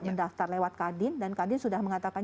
mendaftar lewat kadin dan kadin sudah mengatakan